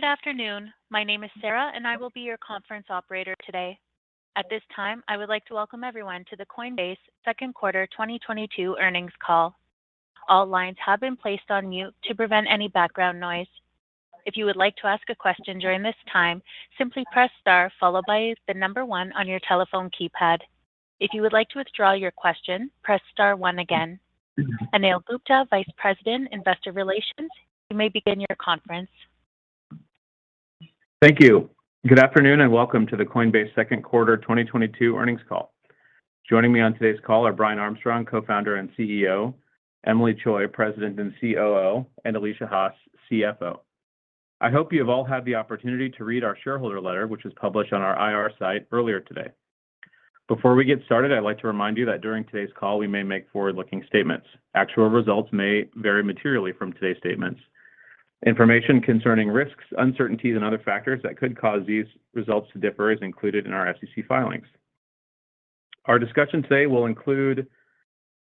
Good afternoon. My name is Sarah, and I will be your conference operator today. At this time, I would like to welcome everyone to the Coinbase Q2 2022 earnings call. All lines have been placed on mute to prevent any background noise. If you would like to ask a question during this time, simply press star followed by the number one on your telephone keypad. If you would like to withdraw your question, press star one again. Anil Gupta, Vice President, Investor Relations, you may begin your conference. Thank you. Good afternoon, and welcome to the Coinbase Q2 2022 earnings call. Joining me on today's call are Brian Armstrong, Co-Founder and CEO, Emilie Choi, President and COO, and Alesia Haas, CFO. I hope you have all had the opportunity to read our shareholder letter, which was published on our IR site earlier today. Before we get started, I'd like to remind you that during today's call we may make forward-looking statements. Actual results may vary materially from today's statements. Information concerning risks, uncertainties, and other factors that could cause these results to differ is included in our SEC filings. Our discussion today will include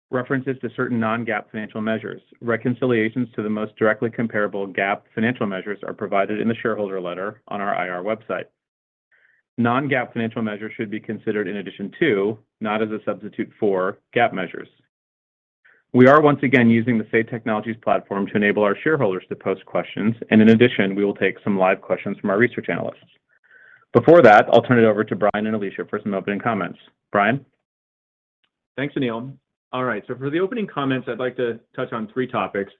references to certain non-GAAP financial measures. Reconciliations to the most directly comparable GAAP financial measures are provided in the shareholder letter on our IR website. Non-GAAP financial measures should be considered in addition to, not as a substitute for, GAAP measures. We are once again using the Say Technologies platform to enable our shareholders to post questions, and in addition, we will take some live questions from our research analysts. Before that, I'll turn it over to Brian and Alesia for some opening comments. Brian? Thanks, Anil. All right, for the opening comments, I'd like to touch on three topics.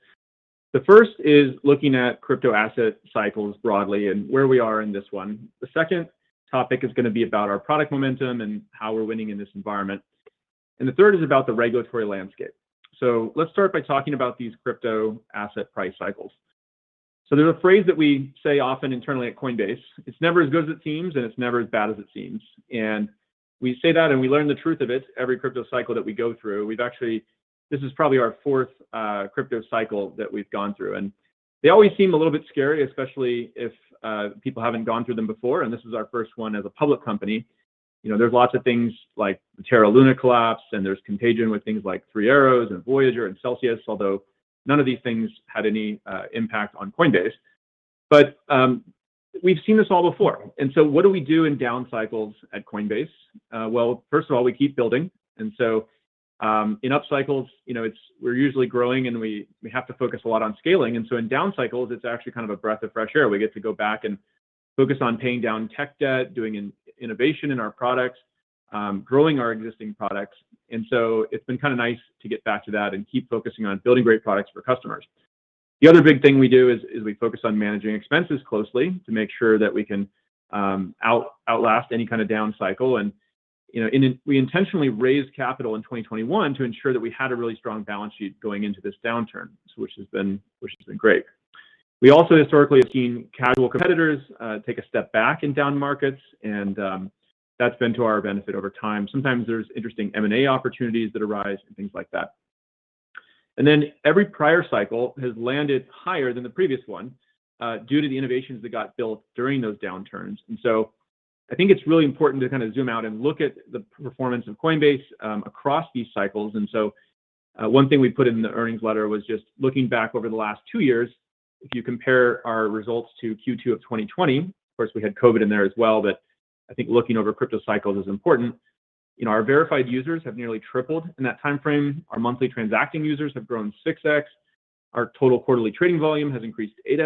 The first is looking at crypto asset cycles broadly and where we are in this one. The second topic is gonna be about our product momentum and how we're winning in this environment. The third is about the regulatory landscape. Let's start by talking about these crypto asset price cycles. There's a phrase that we say often internally at Coinbase, "It's never as good as it seems, and it's never as bad as it seems." We say that, and we learn the truth of it every crypto cycle that we go through. This is probably our fourth crypto cycle that we've gone through, and they always seem a little bit scary, especially if people haven't gone through them before, and this is our first one as a public company. You know, there's lots of things like the Terra Luna collapse, and there's contagion with things like Three Arrows and Voyager and Celsius, although none of these things had any impact on Coinbase. We've seen this all before. What do we do in down cycles at Coinbase? Well, first of all, we keep building. In up cycles, you know, it's, we're usually growing, and we have to focus a lot on scaling. In down cycles, it's actually kind of a breath of fresh air. We get to go back and focus on paying down tech debt, doing innovation in our products, growing our existing products. It's been kinda nice to get back to that and keep focusing on building great products for customers. The other big thing we do is we focus on managing expenses closely to make sure that we can outlast any kind of down cycle. You know, we intentionally raised capital in 2021 to ensure that we had a really strong balance sheet going into this downturn, which has been great. We also historically have seen crypto competitors take a step back in down markets, and that's been to our benefit over time. Sometimes there's interesting M&A opportunities that arise and things like that. Every prior cycle has landed higher than the previous one, due to the innovations that got built during those downturns. I think it's really important to kind of zoom out and look at the performance of Coinbase, across these cycles. One thing we put in the earnings letter was just looking back over the last two years. If you compare our results to Q2 of 2020, of course, we had COVID in there as well, but I think looking over crypto cycles is important. You know, our verified users have nearly tripled in that timeframe. Our monthly transacting users have grown 6x. Our total quarterly trading volume has increased 8x,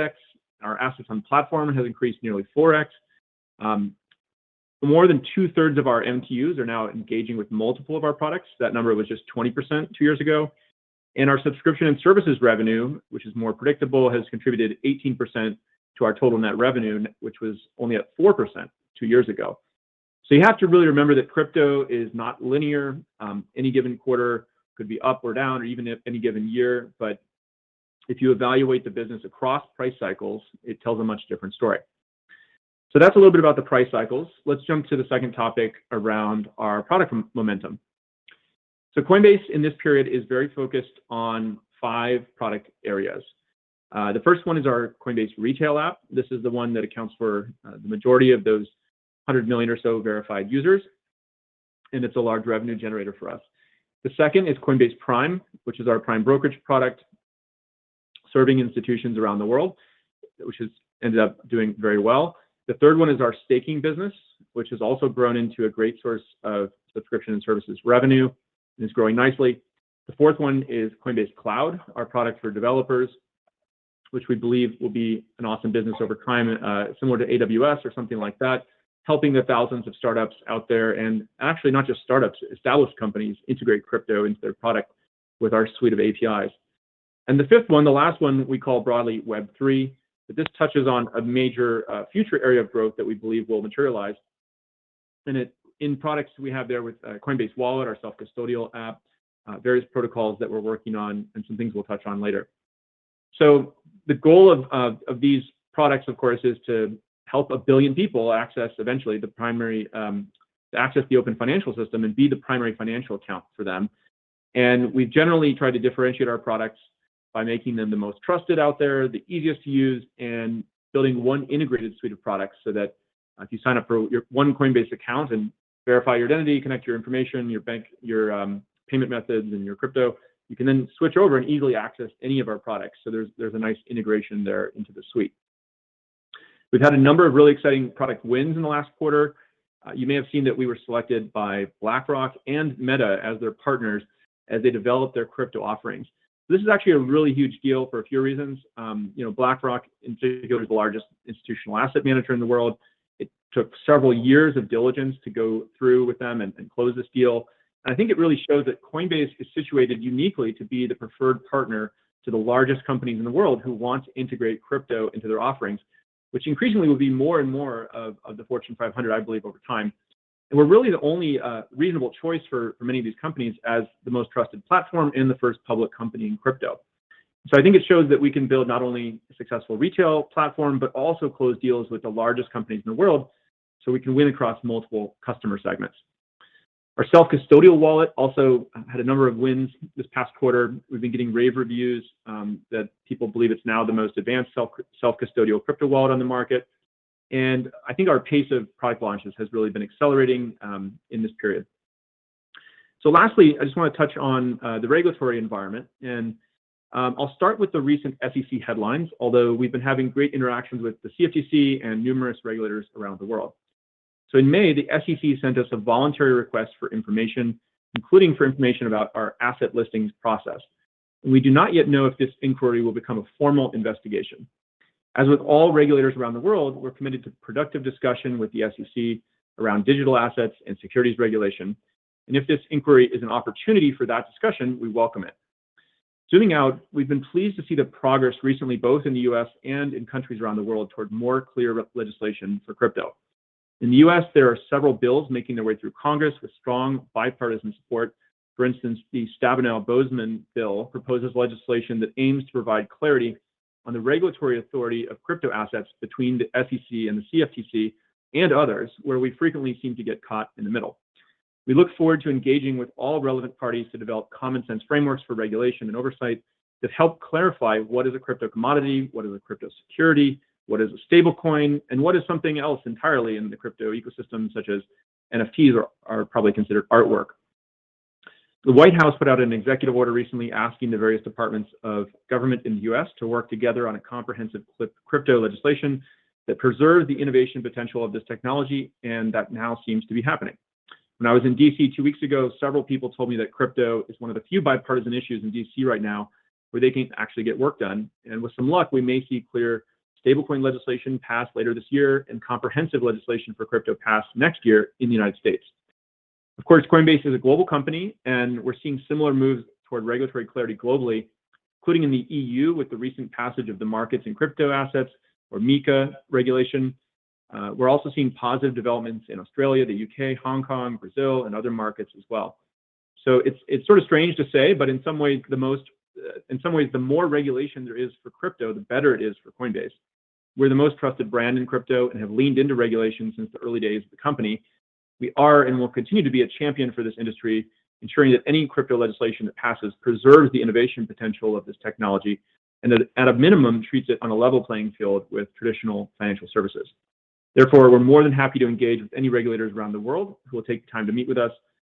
and our assets on platform has increased nearly 4x. More than two-thirds of our MTUs are now engaging with multiple of our products. That number was just 20% two years ago. Our subscription and services revenue, which is more predictable, has contributed 18% to our total net revenue, which was only at 4% two years ago. You have to really remember that crypto is not linear. Any given quarter could be up or down or even any given year. If you evaluate the business across price cycles, it tells a much different story. That's a little bit about the price cycles. Let's jump to the second topic around our product momentum. Coinbase in this period is very focused on five product areas. The first one is our Coinbase Retail app. This is the one that accounts for the majority of those 100 million or so verified users, and it's a large revenue generator for us. The second is Coinbase Prime, which is our prime brokerage product, serving institutions around the world, which has ended up doing very well. The third one is our staking business, which has also grown into a great source of subscription and services revenue and is growing nicely. The fourth one is Coinbase Cloud, our product for developers, which we believe will be an awesome business over time, similar to AWS or something like that, helping the thousands of startups out there and actually not just startups, established companies integrate crypto into their product with our suite of APIs. The fifth one, the last one we call broadly Web3. This touches on a major, future area of growth that we believe will materialize. In products we have there with Coinbase Wallet, our self-custodial app, various protocols that we're working on, and some things we'll touch on later. The goal of these products, of course, is to help a billion people access eventually the primary access the open financial system and be the primary financial account for them. We generally try to differentiate our products by making them the most trusted out there, the easiest to use, and building one integrated suite of products. If you sign up for your one Coinbase account and verify your identity, connect your information, your bank, your payment methods, and your crypto, you can then switch over and easily access any of our products. There's a nice integration there into the suite. We've had a number of really exciting product wins in the last quarter. You may have seen that we were selected by BlackRock and Meta as their partners as they develop their crypto offerings. This is actually a really huge deal for a few reasons. You know, BlackRock in particular is the largest institutional asset manager in the world. It took several years of diligence to go through with them and close this deal. I think it really shows that Coinbase is situated uniquely to be the preferred partner to the largest companies in the world who want to integrate crypto into their offerings, which increasingly will be more and more of the Fortune 500, I believe, over time. We're really the only reasonable choice for many of these companies as the most trusted platform and the first public company in crypto. I think it shows that we can build not only a successful retail platform, but also close deals with the largest companies in the world, so we can win across multiple customer segments. Our self-custodial wallet also had a number of wins this past quarter. We've been getting rave reviews that people believe it's now the most advanced self-custodial crypto wallet on the market. I think our pace of product launches has really been accelerating in this period. Lastly, I just wanna touch on the regulatory environment, and I'll start with the recent SEC headlines, although we've been having great interactions with the CFTC and numerous regulators around the world. In May, the SEC sent us a voluntary request for information, including for information about our asset listings process. We do not yet know if this inquiry will become a formal investigation. As with all regulators around the world, we're committed to productive discussion with the SEC around digital assets and securities regulation, and if this inquiry is an opportunity for that discussion, we welcome it. Zooming out, we've been pleased to see the progress recently, both in the U.S. and in countries around the world, toward more clear legislation for crypto. In the U.S., there are several bills making their way through Congress with strong bipartisan support. For instance, the Stabenow-Boozman bill proposes legislation that aims to provide clarity on the regulatory authority of crypto assets between the SEC and the CFTC and others where we frequently seem to get caught in the middle. We look forward to engaging with all relevant parties to develop common sense frameworks for regulation and oversight that help clarify what is a crypto commodity, what is a crypto security, what is a stablecoin, and what is something else entirely in the crypto ecosystem, such as NFTs are probably considered artwork. The White House put out an executive order recently asking the various departments of government in the U.S. to work together on a comprehensive crypto legislation that preserves the innovation potential of this technology, and that now seems to be happening. When I was in D.C. two weeks ago, several people told me that crypto is one of the few bipartisan issues in D.C. right now where they can actually get work done, and with some luck, we may see clear stablecoin legislation passed later this year and comprehensive legislation for crypto passed next year in the United States. Of course, Coinbase is a global company, and we're seeing similar moves toward regulatory clarity globally, including in the EU with the recent passage of the Markets in Crypto-Assets or MiCA regulation. We're also seeing positive developments in Australia, the U.K., Hong Kong, Brazil, and other markets as well. It's sort of strange to say, but in some ways, the more regulation there is for crypto, the better it is for Coinbase. We're the most trusted brand in crypto and have leaned into regulation since the early days of the company. We are and will continue to be a champion for this industry, ensuring that any crypto legislation that passes preserves the innovation potential of this technology and that at a minimum, treats it on a level playing field with traditional financial services. Therefore, we're more than happy to engage with any regulators around the world who will take the time to meet with us.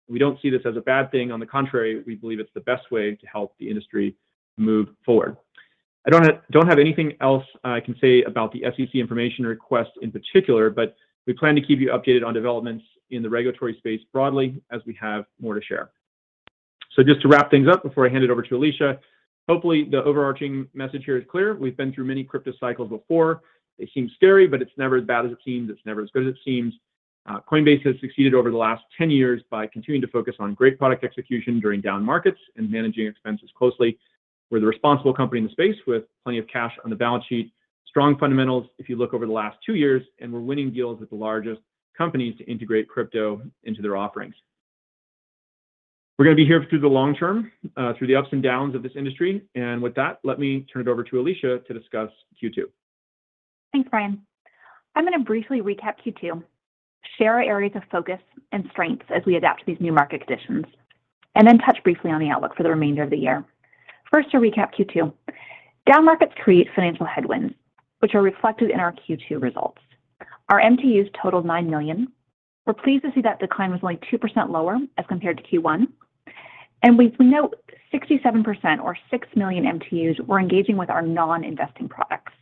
We don't see this as a bad thing. On the contrary, we believe it's the best way to help the industry move forward. I don't have anything else I can say about the SEC information request in particular, but we plan to keep you updated on developments in the regulatory space broadly as we have more to share. Just to wrap things up before I hand it over to Alesia, hopefully, the overarching message here is clear. We've been through many crypto cycles before. They seem scary, but it's never as bad as it seems. It's never as good as it seems. Coinbase has succeeded over the last 10 years by continuing to focus on great product execution during down markets and managing expenses closely. We're the responsible company in the space with plenty of cash on the balance sheet, strong fundamentals, if you look over the last two years, and we're winning deals with the largest companies to integrate crypto into their offerings. We're gonna be here through the long term, through the ups and downs of this industry, and with that, let me turn it over to Alesia to discuss Q2. Thanks, Brian. I'm gonna briefly recap Q2, share our areas of focus and strengths as we adapt to these new market conditions, and then touch briefly on the outlook for the remainder of the year. First, to recap Q2. Down markets create financial headwinds, which are reflected in our Q2 results. Our MTUs totaled 9 million. We're pleased to see that decline was only 2% lower as compared to Q1. We note 67% or 6 million MTUs were engaging with our non-investing products.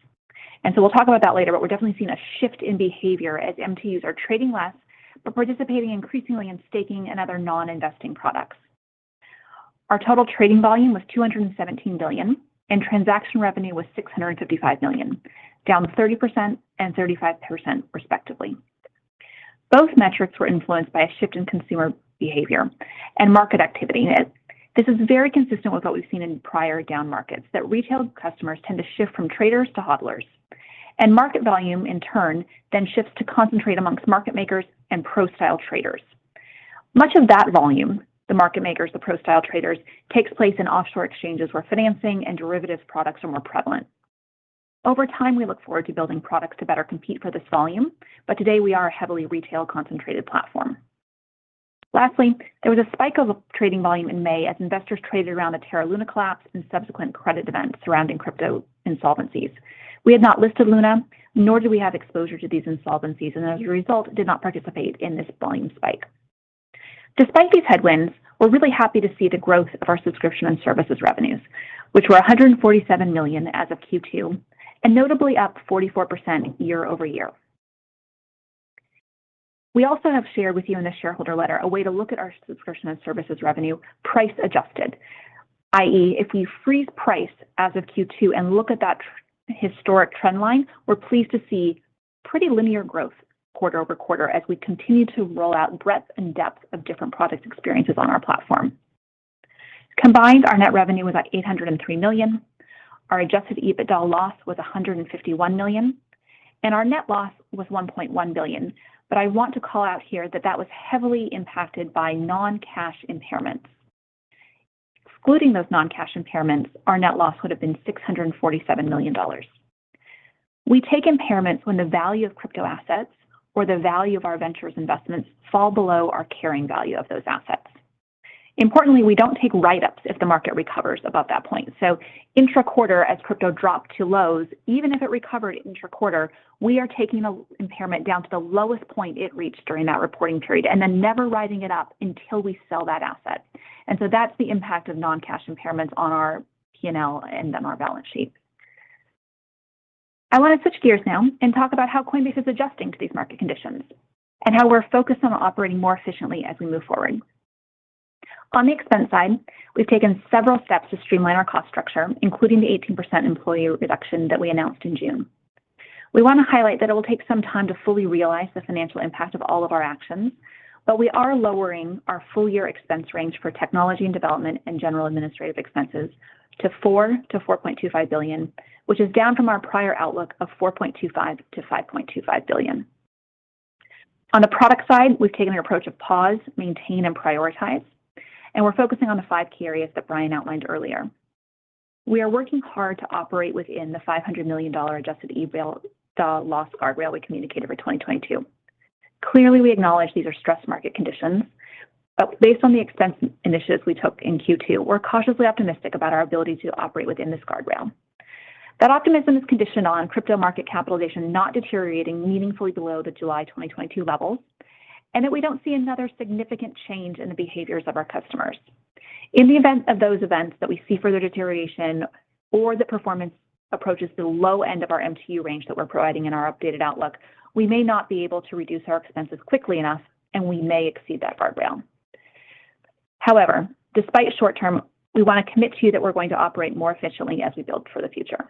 We'll talk about that later, but we're definitely seeing a shift in behavior as MTUs are trading less but participating increasingly in staking and other non-investing products. Our total trading volume was $217 billion, and transaction revenue was $655 million, down 30% and 35% respectively. Both metrics were influenced by a shift in consumer behavior and market activity. This is very consistent with what we've seen in prior down markets, that retail customers tend to shift from traders to HODLers, and market volume, in turn, then shifts to concentrate amongst market makers and pro-style traders. Much of that volume, the market makers, the pro-style traders, takes place in offshore exchanges where financing and derivatives products are more prevalent. Over time, we look forward to building products to better compete for this volume, but today we are a heavily retail-concentrated platform. Lastly, there was a spike of trading volume in May as investors traded around the Terra Luna collapse and subsequent credit events surrounding crypto insolvencies. We had not listed Luna, nor do we have exposure to these insolvencies, and as a result, did not participate in this volume spike. Despite these headwinds, we're really happy to see the growth of our subscription and services revenues, which were $147 million as of Q2, and notably up 44% year-over-year. We also have shared with you in the shareholder letter a way to look at our subscription and services revenue price-adjusted, i.e., if we freeze price as of Q2 and look at that historic trend line, we're pleased to see pretty linear growth quarter-over-quarter as we continue to roll out breadth and depth of different product experiences on our platform. Combined, our net revenue was at $803 million. Our adjusted EBITDA loss was $151 million, and our net loss was $1.1 billion. I want to call out here that that was heavily impacted by non-cash impairments. Excluding those non-cash impairments, our net loss would have been $647 million. We take impairments when the value of crypto assets or the value of our ventures investments fall below our carrying value of those assets. Importantly, we don't take write-ups if the market recovers above that point. Intra-quarter, as crypto dropped to lows, even if it recovered intra-quarter, we are taking the impairment down to the lowest point it reached during that reporting period, and then never writing it up until we sell that asset. That's the impact of non-cash impairments on our P&L and on our balance sheet. I wanna switch gears now and talk about how Coinbase is adjusting to these market conditions and how we're focused on operating more efficiently as we move forward. On the expense side, we've taken several steps to streamline our cost structure, including the 18% employee reduction that we announced in June. We wanna highlight that it will take some time to fully realize the financial impact of all of our actions, but we are lowering our full-year expense range for technology and development and general administrative expenses to $4 to 4.25 billion, which is down from our prior outlook of $4.25 to 5.25 billion. On the product side, we've taken the approach of pause, maintain, and prioritize, and we're focusing on the five key areas that Brian outlined earlier. We are working hard to operate within the $500 million adjusted EBITDA loss guardrail we communicated for 2022. Clearly, we acknowledge these are stressed market conditions, but based on the expense initiatives we took in Q2, we're cautiously optimistic about our ability to operate within this guardrail. That optimism is conditional on crypto market capitalization not deteriorating meaningfully below the July 2022 levels, and that we don't see another significant change in the behaviors of our customers. In the event of those events that we see further deterioration or that performance approaches the low end of our MTU range that we're providing in our updated outlook, we may not be able to reduce our expenses quickly enough, and we may exceed that guardrail. However, despite short term, we wanna commit to you that we're going to operate more efficiently as we build for the future.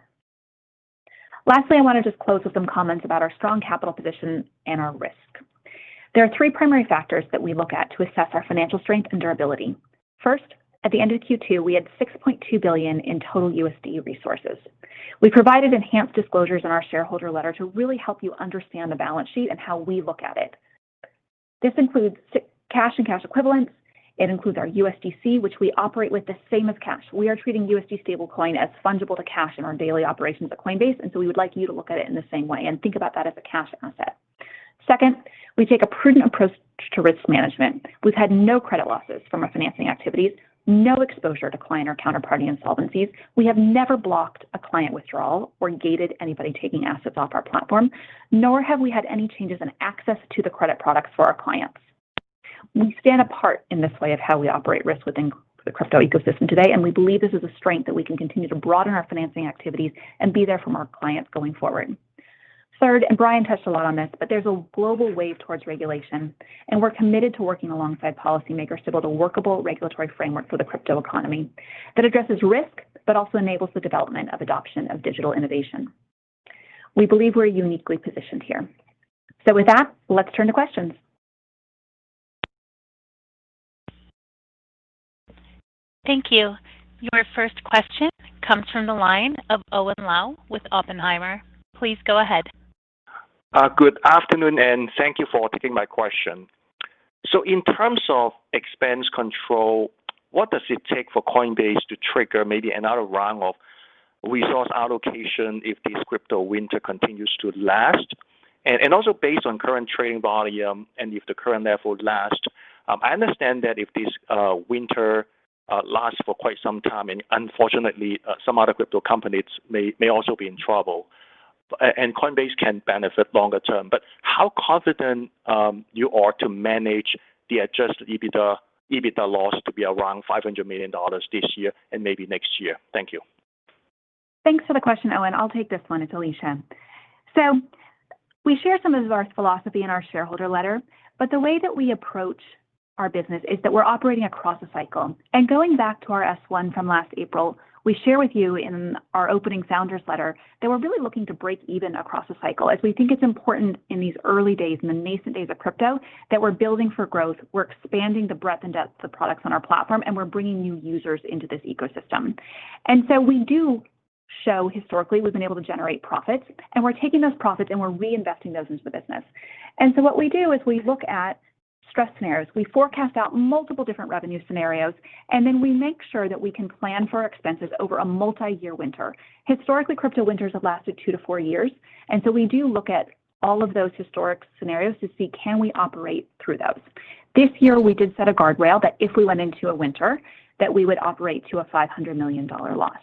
Lastly, I wanna just close with some comments about our strong capital position and our risk. There are three primary factors that we look at to assess our financial strength and durability. First, at the end of Q2, we had $6.2 billion in total USD resources. We provided enhanced disclosures in our shareholder letter to really help you understand the balance sheet and how we look at it. This includes cash and cash equivalents. It includes our USDC, which we operate with the same as cash. We are treating USD stablecoin as fungible to cash in our daily operations at Coinbase, and so we would like you to look at it in the same way and think about that as a cash asset. Second, we take a prudent approach to risk management. We've had no credit losses from our financing activities, no exposure to client or counterparty insolvencies. We have never blocked a client withdrawal or gated anybody taking assets off our platform, nor have we had any changes in access to the credit products for our clients. We stand apart in this way of how we operate risk within the crypto ecosystem today, and we believe this is a strength that we can continue to broaden our financing activities and be there for more clients going forward. Third, and Brian touched a lot on this, but there's a global wave towards regulation, and we're committed to working alongside policymakers to build a workable regulatory framework for the crypto economy that addresses risk but also enables the development of adoption of digital innovation. We believe we're uniquely positioned here. With that, let's turn to questions. Thank you. Your first question comes from the line of Owen Lau with Oppenheimer. Please go ahead. Good afternoon, and thank you for taking my question. In terms of expense control, what does it take for Coinbase to trigger maybe another round of resource allocation if this crypto winter continues to last? And also based on current trading volume, and if the current level lasts, I understand that if this winter lasts for quite some time, and unfortunately some other crypto companies may also be in trouble, and Coinbase can benefit longer term. But how confident you are to manage the adjusted EBITDA loss to be around $500 million this year and maybe next year? Thank you. Thanks for the question, Owen. I'll take this one. It's Alesia. We share some of our philosophy in our shareholder letter, but the way that we approach our business is that we're operating across a cycle. Going back to our S-1 from last April, we share with you in our opening founder's letter that we're really looking to break even across a cycle, as we think it's important in these early days, in the nascent days of crypto, that we're building for growth, we're expanding the breadth and depth of products on our platform, and we're bringing new users into this ecosystem. We do show historically we've been able to generate profits, and we're taking those profits, and we're reinvesting those into the business. What we do is we look at stress scenarios. We forecast out multiple different revenue scenarios, and then we make sure that we can plan for our expenses over a multiyear winter. Historically, crypto winters have lasted two to four years, and we do look at all of those historic scenarios to see, can we operate through those? This year, we did set a guardrail that if we went into a winter, that we would operate to a $500 million loss.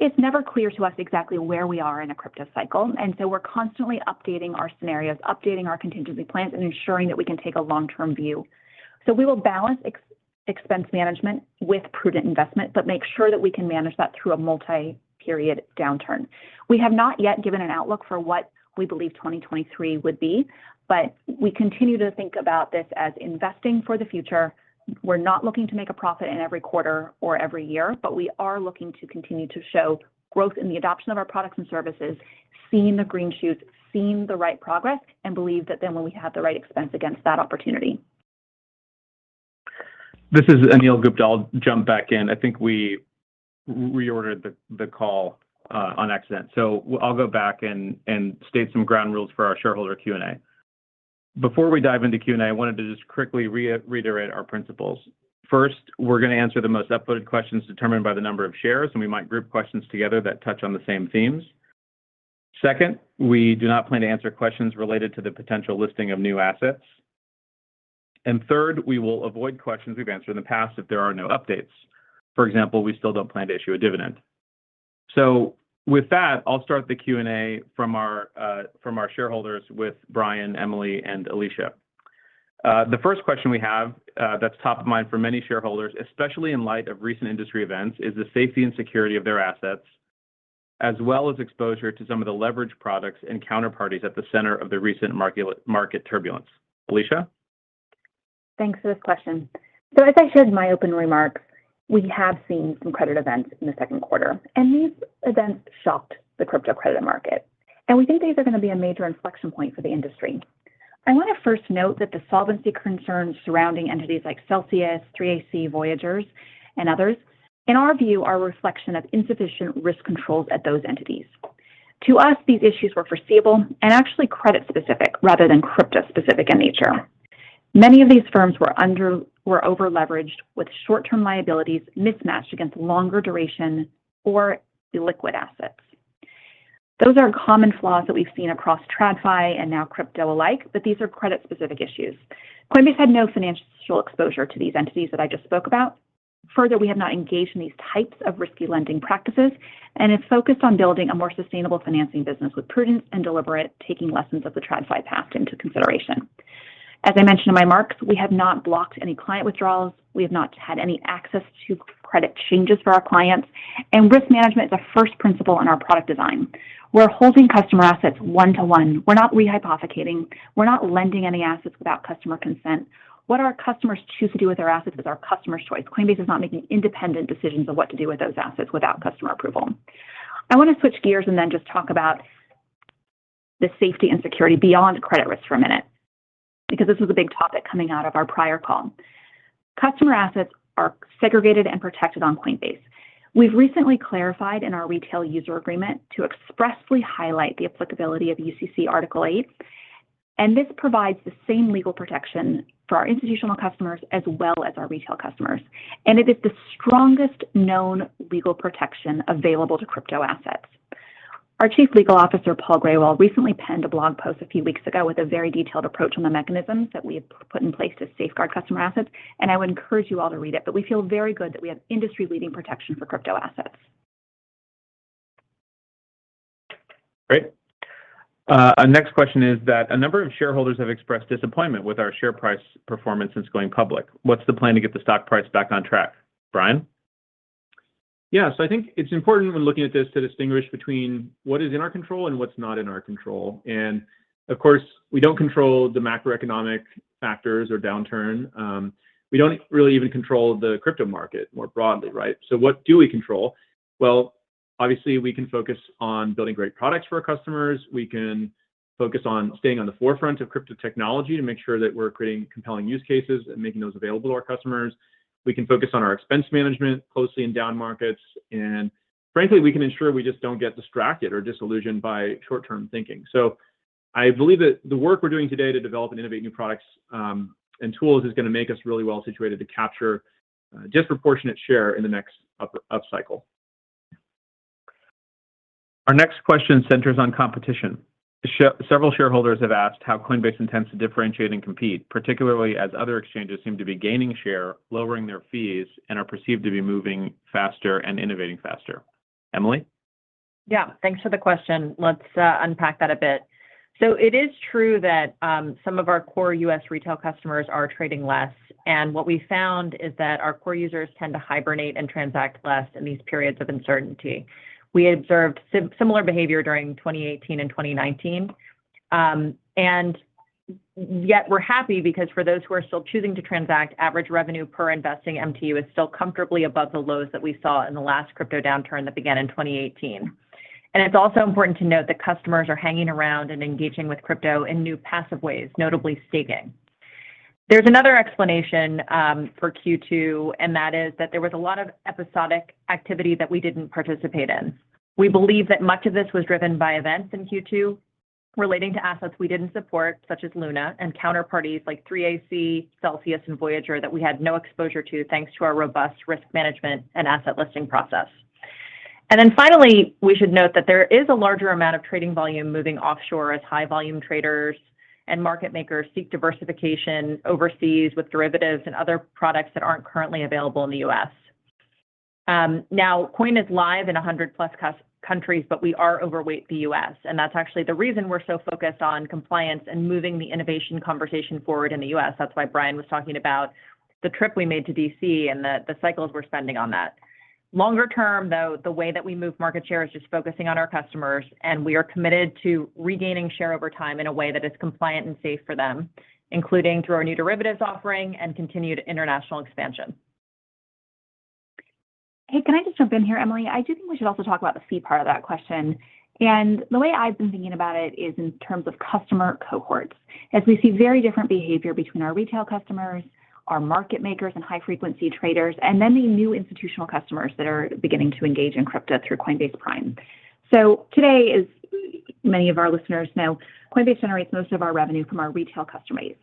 It's never clear to us exactly where we are in a crypto cycle, and we're constantly updating our scenarios, updating our contingency plans, and ensuring that we can take a long-term view. We will balance expense management with prudent investment, but make sure that we can manage that through a multi-period downturn. We have not yet given an outlook for what we believe 2023 would be, but we continue to think about this as investing for the future. We're not looking to make a profit in every quarter or every year, but we are looking to continue to show growth in the adoption of our products and services, seeing the green shoots, seeing the right progress, and believe that then when we have the right expense against that opportunity. This is Anil Gupta. I'll jump back in. I think we reordered the call on accident. I'll go back and state some ground rules for our shareholder Q&A. Before we dive into Q&A, I wanted to just quickly reiterate our principles. First, we're gonna answer the most upvoted questions determined by the number of shares, and we might group questions together that touch on the same themes. Second, we do not plan to answer questions related to the potential listing of new assets. Third, we will avoid questions we've answered in the past if there are no updates. For example, we still don't plan to issue a dividend. With that, I'll start the Q&A from our shareholders with Brian, Emilie, and Alesia. The first question we have, that's top of mind for many shareholders, especially in light of recent industry events, is the safety and security of their assets, as well as exposure to some of the leverage products and counterparties at the center of the recent market turbulence. Alesia? Thanks for this question. As I shared in my opening remarks, we have seen some credit events in the Q2, and these events shocked the crypto credit market. We think these are gonna be a major inflection point for the industry. I wanna first note that the solvency concerns surrounding entities like Celsius, 3AC, Voyager, and others, in our view, are a reflection of insufficient risk controls at those entities. To us, these issues were foreseeable and actually credit-specific rather than crypto-specific in nature. Many of these firms were over-leveraged with short-term liabilities mismatched against longer duration or illiquid assets. Those are common flaws that we've seen across TradFi and now crypto alike, but these are credit-specific issues. Coinbase had no financial exposure to these entities that I just spoke about. Further, we have not engaged in these types of risky lending practices and have focused on building a more sustainable financing business with prudence and deliberation, taking lessons of the TradFi past into consideration. As I mentioned in my remarks, we have not blocked any client withdrawals. We have not had any changes to access to credit for our clients, and risk management is our first principle in our product design. We're holding customer assets one-to-one. We're not rehypothecating. We're not lending any assets without customer consent. What our customers choose to do with their assets is our customers' choice. Coinbase is not making independent decisions of what to do with those assets without customer approval. I wanna switch gears and then just talk about the safety and security beyond credit risk for a minute because this was a big topic coming out of our prior call. Customer assets are segregated and protected on Coinbase. We've recently clarified in our retail user agreement to expressly highlight the applicability of UCC Article 8, and this provides the same legal protection for our institutional customers as well as our retail customers, and it is the strongest known legal protection available to crypto assets. Our Chief Legal Officer, Paul Grewal, recently penned a blog post a few weeks ago with a very detailed approach on the mechanisms that we have put in place to safeguard customer assets, and I would encourage you all to read it. We feel very good that we have industry-leading protection for crypto assets. Great. Our next question is that a number of shareholders have expressed disappointment with our share price performance since going public. What's the plan to get the stock price back on track? Brian? Yeah. I think it's important when looking at this to distinguish between what is in our control and what's not in our control. Of course, we don't control the macroeconomic factors or downturn. We don't really even control the crypto market more broadly, right? What do we control? Well, obviously, we can focus on building great products for our customers. We can focus on staying on the forefront of crypto technology to make sure that we're creating compelling use cases and making those available to our customers. We can focus on our expense management closely in down markets, and frankly, we can ensure we just don't get distracted or disillusioned by short-term thinking. I believe that the work we're doing today to develop and innovate new products, and tools is gonna make us really well-situated to capture a disproportionate share in the next up cycle. Our next question centers on competition. Several shareholders have asked how Coinbase intends to differentiate and compete, particularly as other exchanges seem to be gaining share, lowering their fees, and are perceived to be moving faster and innovating faster. Emilie? Yeah. Thanks for the question. Let's unpack that a bit. It is true that some of our core U.S. retail customers are trading less, and what we found is that our core users tend to hibernate and transact less in these periods of uncertainty. We observed similar behavior during 2018 and 2019, and yet we're happy because for those who are still choosing to transact, average revenue per investing MTU is still comfortably above the lows that we saw in the last crypto downturn that began in 2018. It's also important to note that customers are hanging around and engaging with crypto in new passive ways, notably staking. There's another explanation for Q2, and that is that there was a lot of episodic activity that we didn't participate in. We believe that much of this was driven by events in Q2 relating to assets we didn't support, such as Luna and counterparties like 3AC, Celsius, and Voyager that we had no exposure to thanks to our robust risk management and asset listing process. We should note that there is a larger amount of trading volume moving offshore as high volume traders and market makers seek diversification overseas with derivatives and other products that aren't currently available in the U.S. Coinbase is live in 100+ countries, but we are overweight the U.S., and that's actually the reason we're so focused on compliance and moving the innovation conversation forward in the U.S. That's why Brian was talking about the trip we made to D.C. and the cycles we're spending on that. Longer term, though, the way that we move market share is just focusing on our customers, and we are committed to regaining share over time in a way that is compliant and safe for them, including through our new derivatives offering and continued international expansion. Hey, can I just jump in here, Emilie? I do think we should also talk about the fee part of that question. The way I've been thinking about it is in terms of customer cohorts, as we see very different behavior between our retail customers, our market makers, and high-frequency traders, and then the new institutional customers that are beginning to engage in crypto through Coinbase Prime. Today, as many of our listeners know, Coinbase generates most of our revenue from our retail customer base.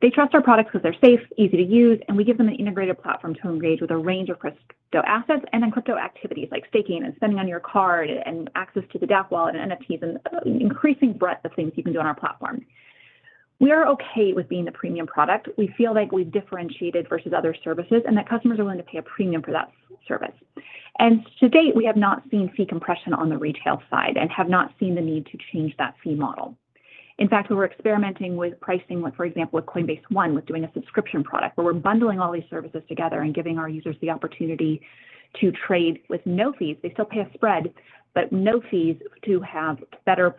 They trust our products 'cause they're safe, easy to use, and we give them an integrated platform to engage with a range of crypto assets and in crypto activities like staking and spending on your card and access to the dApp Wallet and NFTs, and increasing breadth of things you can do on our platform. We are okay with being the premium product. We feel like we've differentiated versus other services and that customers are willing to pay a premium for that service. To date, we have not seen fee compression on the retail side and have not seen the need to change that fee model. In fact, we were experimenting with pricing with, for example, with Coinbase One, with doing a subscription product where we're bundling all these services together and giving our users the opportunity to trade with no fees. They still pay a spread, but no fees to have better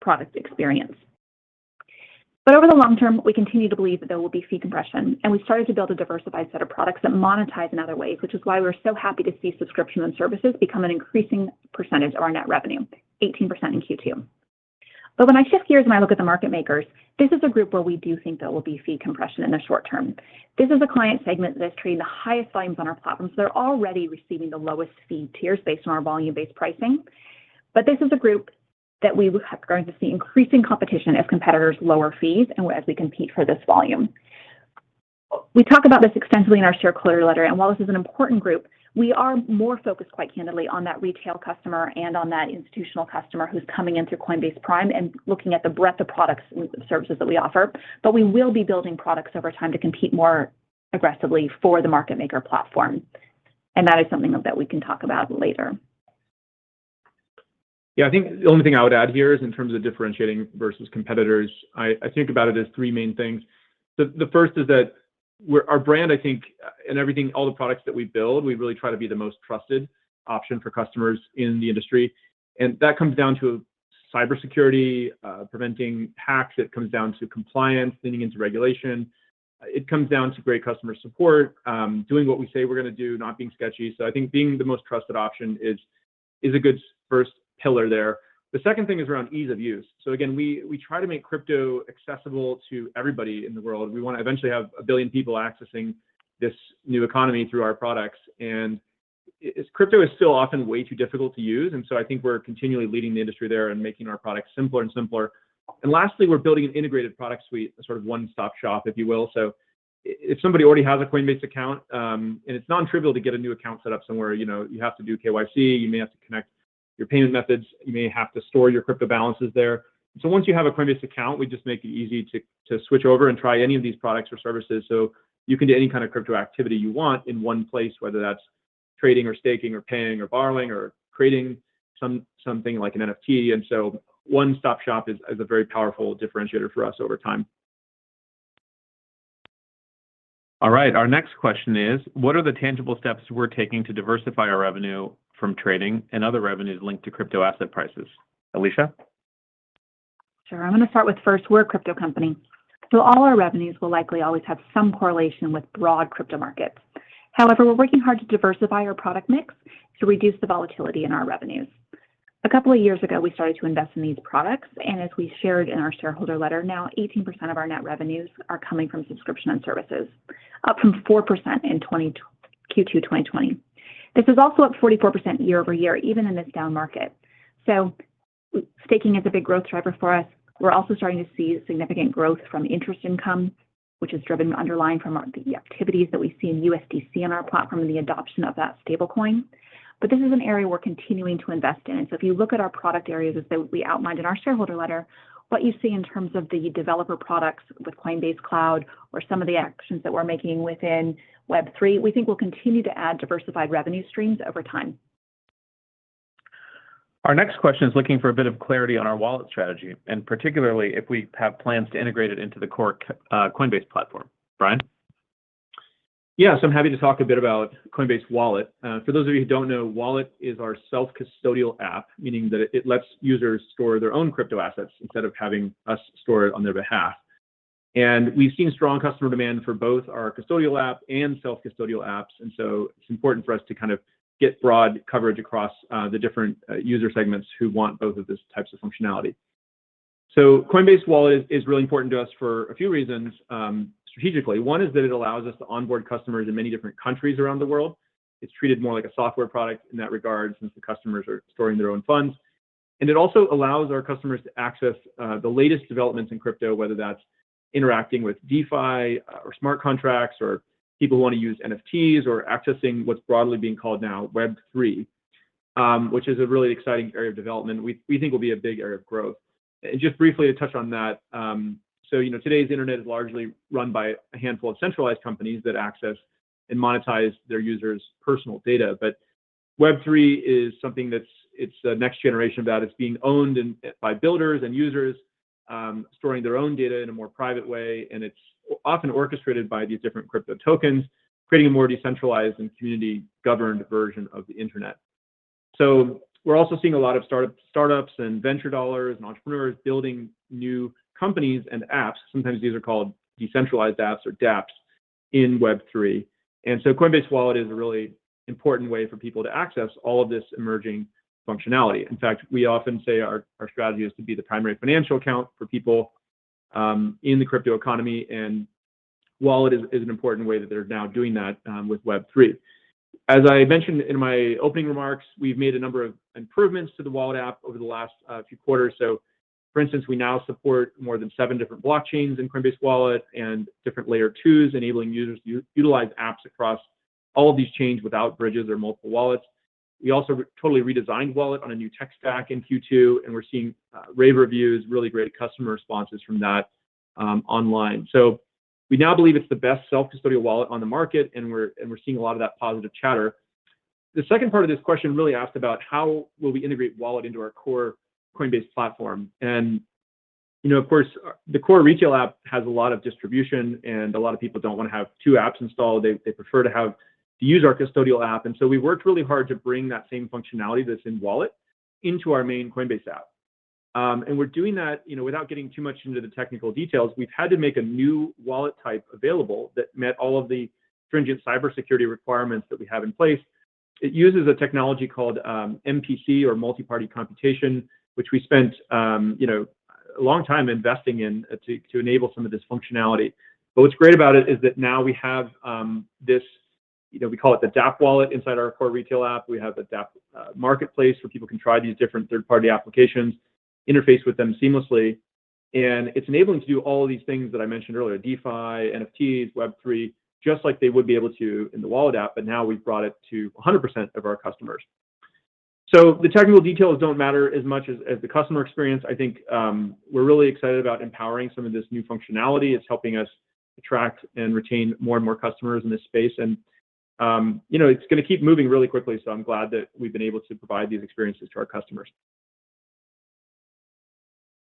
product experience. Over the long term, we continue to believe that there will be fee compression, and we started to build a diversified set of products that monetize in other ways, which is why we're so happy to see subscription and services become an increasing percentage of our net revenue, 18% in Q2. When I shift gears, when I look at the market makers, this is a group where we do think there will be fee compression in the short term. This is a client segment that is trading the highest volumes on our platform, so they're already receiving the lowest fee tiers based on our volume-based pricing. This is a group that we are going to see increasing competition as competitors lower fees and as we compete for this volume. We talk about this extensively in our shareholder letter, and while this is an important group, we are more focused, quite candidly, on that retail customer and on that institutional customer who's coming in through Coinbase Prime and looking at the breadth of products and services that we offer. We will be building products over time to compete more aggressively for the market maker platform, and that is something that we can talk about later. Yeah. I think the only thing I would add here is in terms of differentiating versus competitors, I think about it as three main things. The first is that we're our brand, I think, and everything, all the products that we build, we really try to be the most trusted option for customers in the industry, and that comes down to cybersecurity, preventing hacks. It comes down to compliance, leaning into regulation. It comes down to great customer support, doing what we say we're gonna do, not being sketchy. I think being the most trusted option is a good first pillar there. The second thing is around ease of use. Again, we try to make crypto accessible to everybody in the world. We wanna eventually have a billion people accessing this new economy through our products. It's crypto is still often way too difficult to use, and so I think we're continually leading the industry there and making our products simpler and simpler. Lastly, we're building an integrated product suite, a sort of one-stop shop, if you will. If somebody already has a Coinbase account, and it's non-trivial to get a new account set up somewhere, you know, you have to do KYC, you may have to connect your payment methods, you may have to store your crypto balances there. Once you have a Coinbase account, we just make it easy to switch over and try any of these products or services. You can do any kind of crypto activity you want in one place, whether that's trading or staking or paying or borrowing or creating something like an NFT. One-stop shop is a very powerful differentiator for us over time. All right. Our next question is, what are the tangible steps we're taking to diversify our revenue from trading and other revenues linked to crypto asset prices? Alesia. Sure. I'm gonna start with first, we're a crypto company, so all our revenues will likely always have some correlation with broad crypto markets. However, we're working hard to diversify our product mix to reduce the volatility in our revenues. A couple of years ago, we started to invest in these products, and as we shared in our shareholder letter, now 18% of our net revenues are coming from subscription and services, up from 4% in Q2 2020. This is also up 44% year-over-year, even in this down market. Staking is a big growth driver for us. We're also starting to see significant growth from interest income, which is driven by the underlying activities that we see in USDC on our platform and the adoption of that stablecoin. This is an area we're continuing to invest in. If you look at our product areas as we outlined in our shareholder letter, what you see in terms of the developer products with Coinbase Cloud or some of the actions that we're making within Web3, we think we'll continue to add diversified revenue streams over time. Our next question is looking for a bit of clarity on our wallet strategy, and particularly if we have plans to integrate it into the core Coinbase platform. Brian? Yeah. I'm happy to talk a bit about Coinbase Wallet. For those of you who don't know, Wallet is our self-custodial app, meaning that it lets users store their own crypto assets instead of having us store it on their behalf. We've seen strong customer demand for both our custodial app and self-custodial apps, it's important for us to kind of get broad coverage across the different user segments who want both of these types of functionality. Coinbase Wallet is really important to us for a few reasons, strategically. One is that it allows us to onboard customers in many different countries around the world. It's treated more like a software product in that regard, since the customers are storing their own funds. It also allows our customers to access the latest developments in crypto, whether that's interacting with DeFi or smart contracts, or people who wanna use NFTs or accessing what's broadly being called now Web3, which is a really exciting area of development we think will be a big area of growth. Just briefly to touch on that, you know, today's internet is largely run by a handful of centralized companies that access and monetize their users' personal data. But Web3 is something it's the next generation of that. It's being owned and by builders and users, storing their own data in a more private way, and it's often orchestrated by these different crypto tokens, creating a more decentralized and community-governed version of the internet. We're also seeing a lot of startups and venture dollars and entrepreneurs building new companies and apps. Sometimes these are called decentralized apps or dApps in Web3. Coinbase Wallet is a really important way for people to access all of this emerging functionality. In fact, we often say our strategy is to be the primary financial account for people in the crypto economy, and Wallet is an important way that they're now doing that with Web3. As I mentioned in my opening remarks, we've made a number of improvements to the Wallet app over the last few quarters. For instance, we now support more than seven different blockchains in Coinbase Wallet and different layer twos, enabling users to utilize apps across all of these chains without bridges or multiple wallets. We also totally redesigned Wallet on a new tech stack in Q2, and we're seeing rave reviews, really great customer responses from that online. We now believe it's the best self-custodial wallet on the market, and we're seeing a lot of that positive chatter. The second part of this question really asked about how will we integrate Wallet into our core Coinbase platform. You know, of course, the core retail app has a lot of distribution, and a lot of people don't wanna have two apps installed. They prefer to have to use our custodial app. We worked really hard to bring that same functionality that's in Wallet into our main Coinbase app. We're doing that, you know, without getting too much into the technical details. We've had to make a new wallet type available that met all of the stringent cybersecurity requirements that we have in place. It uses a technology called MPC or multi-party computation, which we spent you know a long time investing in to enable some of this functionality. But what's great about it is that now we have this you know we call it the dApp Wallet inside our core retail app. We have a dApp marketplace where people can try these different third-party applications, interface with them seamlessly, and it's enabling to do all of these things that I mentioned earlier, DeFi, NFTs, Web3, just like they would be able to in the Wallet app, but now we've brought it to 100% of our customers. The technical details don't matter as much as the customer experience. I think, we're really excited about empowering some of this new functionality. It's helping us attract and retain more and more customers in this space. You know, it's gonna keep moving really quickly, so I'm glad that we've been able to provide these experiences to our customers.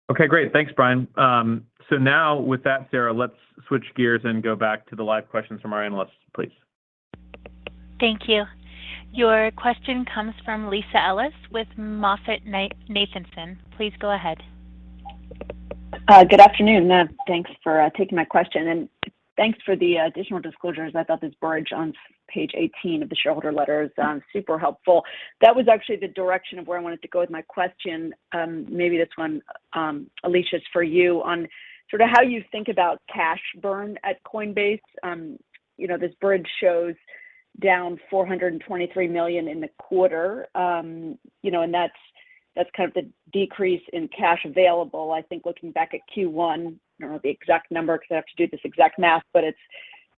Okay, great. Thanks, Brian. Now with that, Sarah, let's switch gears and go back to the live questions from our analysts, please. Thank you. Your question comes from Lisa Ellis with MoffettNathanson. Please go ahead. Good afternoon. Thanks for taking my question, and thanks for the additional disclosures. I thought this bridge on page 18 of the shareholder letter is super helpful. That was actually the direction of where I wanted to go with my question. Maybe this one, Alesia, is for you on sort of how you think about cash burn at Coinbase. You know, this bridge shows down $423 million in the quarter. You know, that's kind of the decrease in cash available, I think, looking back at Q1. I don't know the exact number because I'd have to do this exact math, but it's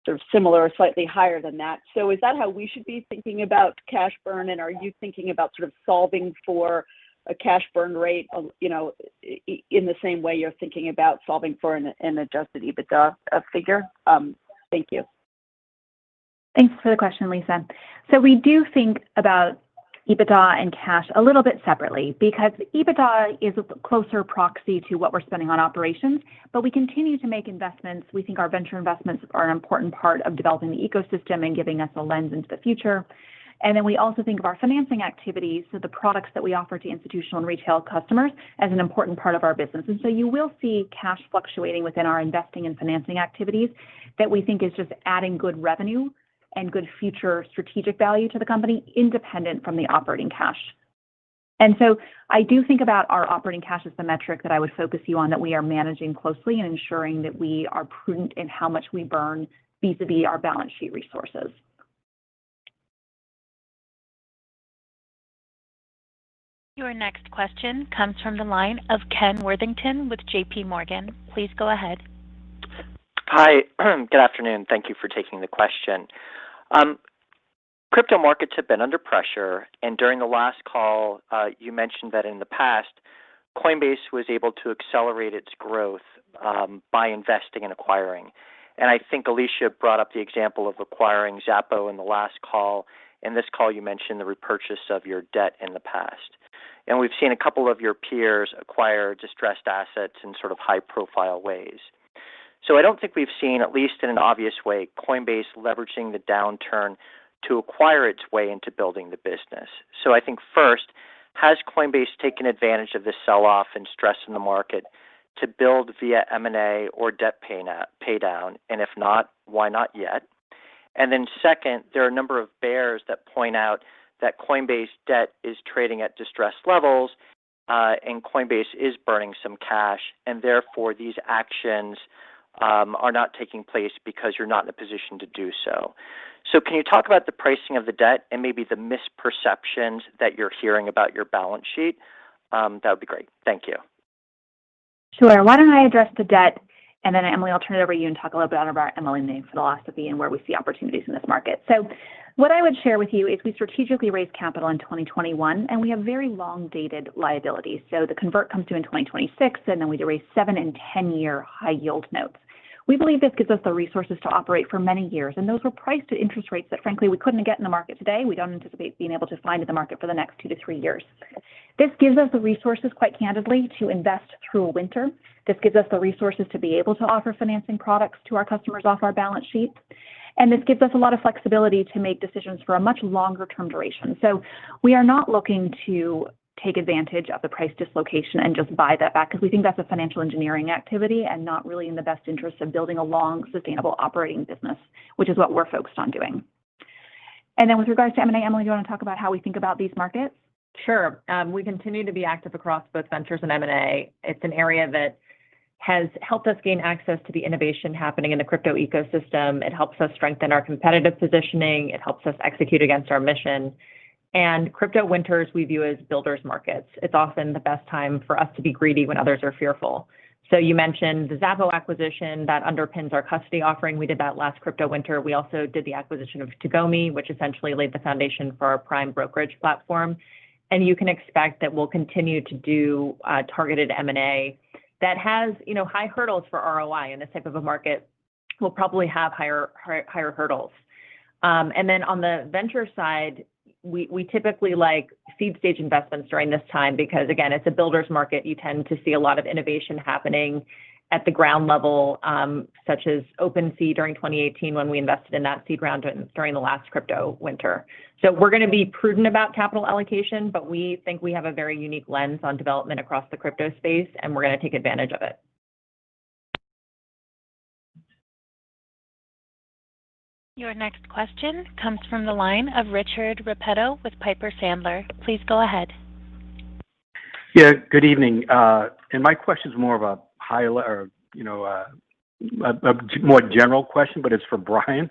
sort of similar or slightly higher than that. Is that how we should be thinking about cash burn, and are you thinking about sort of solving for a cash burn rate, you know, in the same way you're thinking about solving for an adjusted EBITDA figure? Thank you. Thanks for the question, Lisa. We do think about EBITDA and cash a little bit separately because EBITDA is a closer proxy to what we're spending on operations. We continue to make investments. We think our venture investments are an important part of developing the ecosystem and giving us a lens into the future. We also think of our financing activities, so the products that we offer to institutional and retail customers, as an important part of our business. You will see cash fluctuating within our investing and financing activities that we think is just adding good revenue and good future strategic value to the company independent from the operating cash. I do think about our operating cash as the metric that I would focus you on, that we are managing closely and ensuring that we are prudent in how much we burn vis-à-vis our balance sheet resources. Your next question comes from the line of Ken Worthington with JPMorgan. Please go ahead. Hi. Good afternoon. Thank you for taking the question. Crypto markets have been under pressure, and during the last call, you mentioned that in the past, Coinbase was able to accelerate its growth by investing and acquiring. I think Alesia brought up the example of acquiring Xapo in the last call. In this call, you mentioned the repurchase of your debt in the past. We've seen a couple of your peers acquire distressed assets in sort of high-profile ways. I don't think we've seen, at least in an obvious way, Coinbase leveraging the downturn to acquire its way into building the business. I think first, has Coinbase taken advantage of this sell-off and stress in the market to build via M&A or debt pay down? If not, why not yet? Second, there are a number of bears that point out that Coinbase debt is trading at distressed levels, and Coinbase is burning some cash, and therefore, these actions are not taking place because you're not in a position to do so. Can you talk about the pricing of the debt and maybe the misperceptions that you're hearing about your balance sheet? That would be great. Thank you. Sure. Why don't I address the debt, and then Emilie, I'll turn it over to you and talk a little bit about our M&A philosophy and where we see opportunities in this market. What I would share with you is we strategically raised capital in 2021, and we have very long-dated liabilities. The convert comes due in 2026, and then we do raise seven and 10-year high yield notes. We believe this gives us the resources to operate for many years, and those were priced at interest rates that frankly we couldn't get in the market today. We don't anticipate being able to find in the market for the next two to three years. This gives us the resources, quite candidly, to invest through a winter. This gives us the resources to be able to offer financing products to our customers off our balance sheet. This gives us a lot of flexibility to make decisions for a much longer term duration. We are not looking to take advantage of the price dislocation and just buy that back 'cause we think that's a financial engineering activity and not really in the best interest of building a long, sustainable operating business, which is what we're focused on doing. Then with regards to M&A, Emilie, do you wanna talk about how we think about these markets? Sure. We continue to be active across both ventures and M&A. It's an area that has helped us gain access to the innovation happening in the crypto ecosystem. It helps us strengthen our competitive positioning. It helps us execute against our mission. Crypto winters we view as builders markets. It's often the best time for us to be greedy when others are fearful. You mentioned the Xapo acquisition that underpins our custody offering. We did that last crypto winter. We also did the acquisition of Tagomi, which essentially laid the foundation for our prime brokerage platform. You can expect that we'll continue to do targeted M&A that has, you know, high hurdles for ROI in this type of a market will probably have higher hurdles. On the venture side, we typically like seed stage investments during this time because, again, it's a builders market. You tend to see a lot of innovation happening at the ground level, such as OpenSea during 2018 when we invested in that seed round during the last crypto winter. We're gonna be prudent about capital allocation, but we think we have a very unique lens on development across the crypto space, and we're gonna take advantage of it. Your next question comes from the line of Richard Repetto with Piper Sandler. Please go ahead. Yeah, good evening. My question is more of a or, you know, a more general question, but it's for Brian.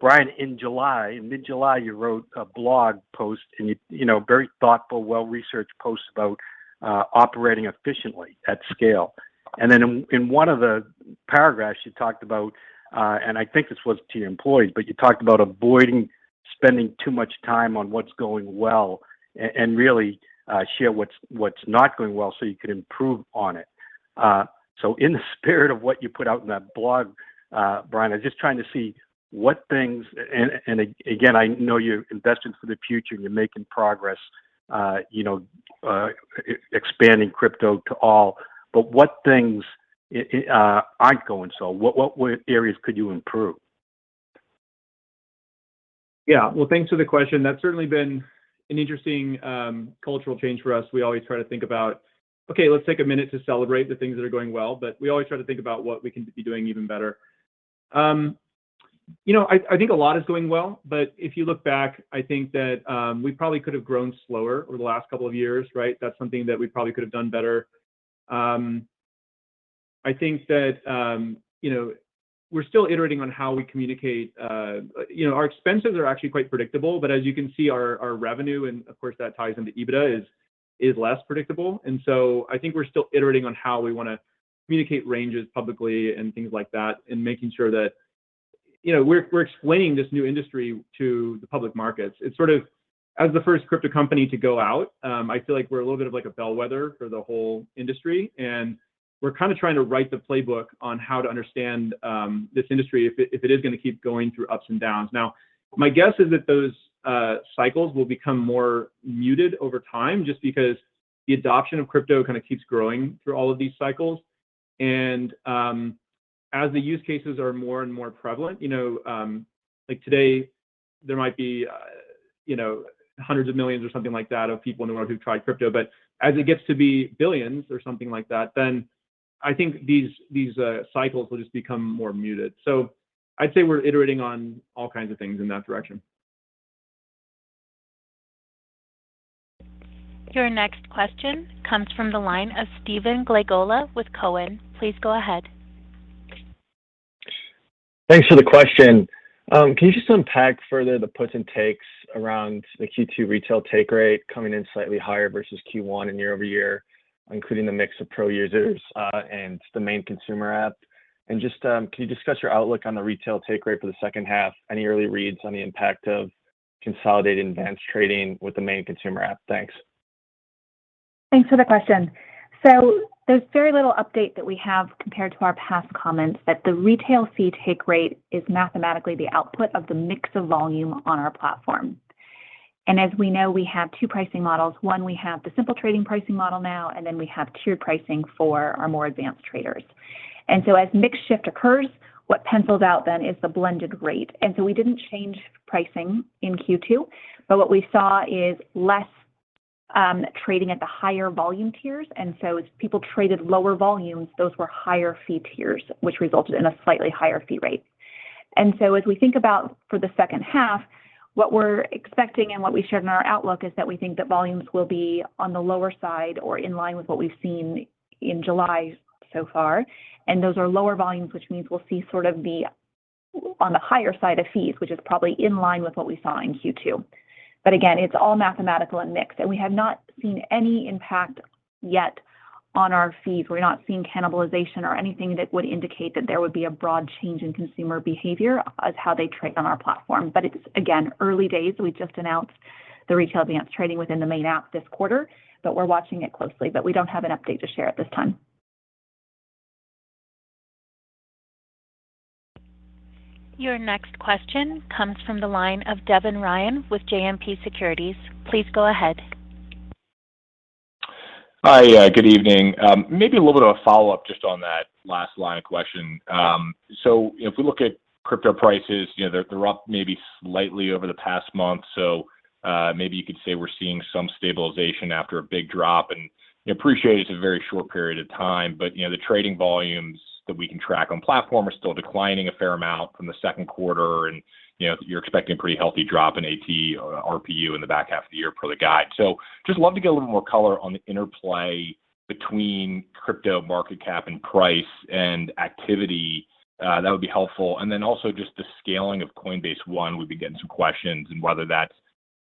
Brian, in July, in mid-July, you wrote a blog post and you know, very thoughtful, well-researched post about operating efficiently at scale. In one of the paragraphs you talked about, and I think this was to your employees, but you talked about avoiding spending too much time on what's going well and really share what's not going well, so you could improve on it. In the spirit of what you put out in that blog, Brian, I'm just trying to see what things. Again, I know you're investing for the future and you're making progress, you know, expanding crypto to all, but what things aren't going so well? What areas could you improve? Yeah. Well, thanks for the question. That's certainly been an interesting cultural change for us. We always try to think about, okay, let's take a minute to celebrate the things that are going well, but we always try to think about what we can be doing even better. You know, I think a lot is going well, but if you look back, I think that we probably could have grown slower over the last couple of years, right? That's something that we probably could have done better. I think that, you know, we're still iterating on how we communicate. You know, our expenses are actually quite predictable, but as you can see, our revenue, and of course that ties into EBITDA, is less predictable. I think we're still iterating on how we wanna communicate ranges publicly and things like that and making sure that, you know, we're explaining this new industry to the public markets. It's sort of as the first crypto company to go out. I feel like we're a little bit of like a bellwether for the whole industry, and we're kinda trying to write the playbook on how to understand this industry if it is gonna keep going through ups and downs. Now, my guess is that those cycles will become more muted over time just because the adoption of crypto kinda keeps growing through all of these cycles. As the use cases are more and more prevalent, you know, like today there might be, you know, hundreds of millions or something like that of people in the world who've tried crypto. But as it gets to be billions or something like that, then I think these cycles will just become more muted. I'd say we're iterating on all kinds of things in that direction. Your next question comes from the line of Stephen Glagola with Cowen. Please go ahead. Thanks for the question. Can you just unpack further the puts and takes around the Q2 retail take rate coming in slightly higher versus Q1 and year-over-year, including the mix of pro users, and the main consumer app? Just, can you discuss your outlook on the retail take rate for the second half, any early reads on the impact of consolidating advanced trading with the main consumer app? Thanks. Thanks for the question. There's very little update that we have compared to our past comments that the retail fee take rate is mathematically the output of the mix of volume on our platform. And as we know, we have two pricing models. One, we have the simple trading pricing model now, and then we have tiered pricing for our more advanced traders. As mix shift occurs, what pencils out then is the blended rate. We didn't change pricing in Q2, but what we saw is less trading at the higher volume tiers, and so as people traded lower volumes, those were higher fee tiers, which resulted in a slightly higher fee rate. As we think about for the second half. What we're expecting and what we shared in our outlook is that we think that volumes will be on the lower side or in line with what we've seen in July so far. Those are lower volumes, which means we'll see sort of the on the higher side of fees, which is probably in line with what we saw in Q2. Again, it's all mathematical and mixed, and we have not seen any impact yet on our fees. We're not seeing cannibalization or anything that would indicate that there would be a broad change in consumer behavior as to how they trade on our platform. It's, again, early days. We just announced the retail advanced trading within the main app this quarter, but we're watching it closely, but we don't have an update to share at this time. Your next question comes from the line of Devin Ryan with JMP Securities. Please go ahead. Hi. Good evening. Maybe a little bit of a follow-up just on that last line of questioning. If we look at crypto prices, you know, they're up maybe slightly over the past month, so maybe you could say we're seeing some stabilization after a big drop. I appreciate it's a very short period of time, but, you know, the trading volumes that we can track on platform are still declining a fair amount from the Q2. You know, you're expecting pretty healthy drop in AT or RPU in the back half of the year per the guide. Just love to get a little more color on the interplay between crypto market cap and price and activity. That would be helpful. Just the scaling of Coinbase One, we've been getting some questions in whether that's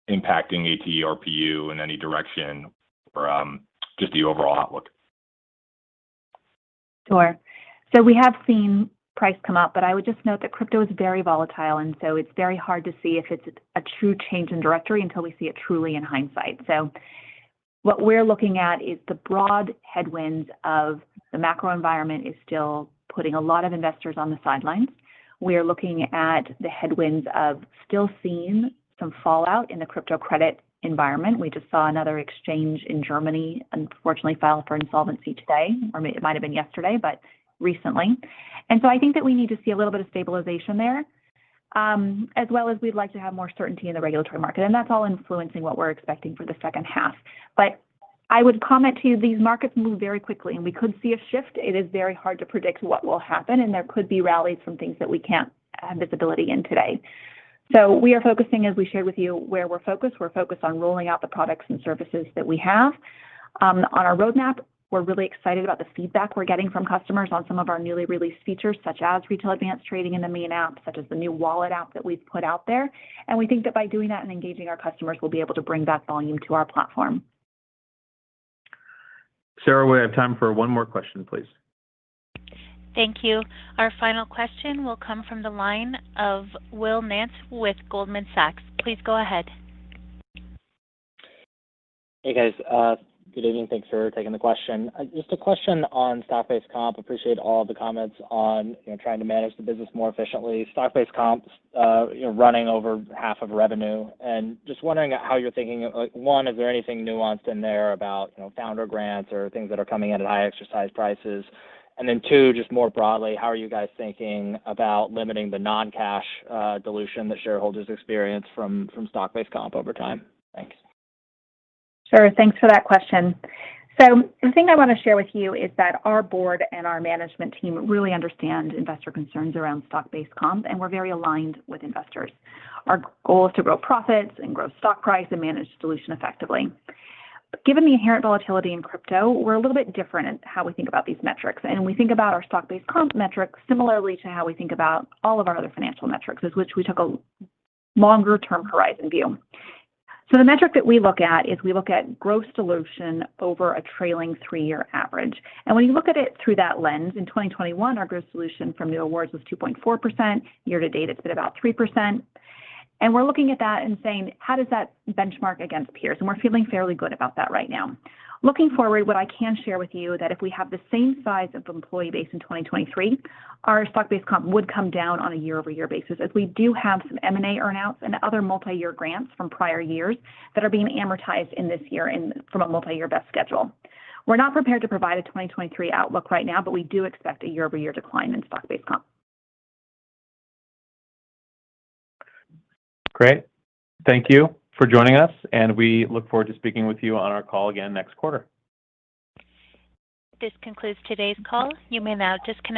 impacting AT, RPU in any direction or just the overall outlook. Sure. We have seen price come up, but I would just note that crypto is very volatile, and it's very hard to see if it's a true change in direction until we see it truly in hindsight. What we're looking at is the broad headwinds of the macro environment still putting a lot of investors on the sidelines. We are looking at the headwinds of still seeing some fallout in the crypto credit environment. We just saw another exchange in Germany unfortunately file for insolvency today, or it might have been yesterday, but recently. I think that we need to see a little bit of stabilization there, as well as we'd like to have more certainty in the regulatory market, and that's all influencing what we're expecting for the second half. I would comment to you, these markets move very quickly, and we could see a shift. It is very hard to predict what will happen, and there could be rallies from things that we can't have visibility in today. We are focusing, as we shared with you, where we're focused. We're focused on rolling out the products and services that we have. On our roadmap, we're really excited about the feedback we're getting from customers on some of our newly released features, such as retail advanced trading in the main app, such as the new wallet app that we've put out there. We think that by doing that and engaging our customers, we'll be able to bring back volume to our platform. Sarah, we have time for one more question, please. Thank you. Our final question will come from the line of Will Nance with Goldman Sachs. Please go ahead. Hey, guys. Good evening. Thanks for taking the question. Just a question on stock-based comp. Appreciate all the comments on, you know, trying to manage the business more efficiently. Stock-based comps, you know, running over half of revenue. Just wondering how you're thinking. Like, one, is there anything nuanced in there about, you know, founder grants or things that are coming in at high exercise prices? Then two, just more broadly, how are you guys thinking about limiting the non-cash dilution that shareholders experience from stock-based comp over time? Thanks. Sure. Thanks for that question. The thing I wanna share with you is that our board and our management team really understand investor concerns around stock-based comp, and we're very aligned with investors. Our goal is to grow profits and grow stock price and manage dilution effectively. Given the inherent volatility in crypto, we're a little bit different in how we think about these metrics, and we think about our stock-based comp metrics similarly to how we think about all of our other financial metrics, is which we took a longer-term horizon view. The metric that we look at is we look at gross dilution over a trailing three-year average. When you look at it through that lens, in 2021, our gross dilution from new awards was 2.4%. Year-to-date, it's been about 3%. We're looking at that and saying, "How does that benchmark against peers?" We're feeling fairly good about that right now. Looking forward, what I can share with you that if we have the same size of employee base in 2023, our stock-based comp would come down on a year-over-year basis as we do have some M&A earnouts and other multiyear grants from prior years that are being amortized in this year and from a multiyear vest schedule. We're not prepared to provide a 2023 outlook right now, but we do expect a year-over-year decline in stock-based comp. Great. Thank you for joining us, and we look forward to speaking with you on our call again next quarter. This concludes today's call. You may now disconnect.